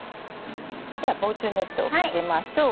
では防虫ネットをかけましょう。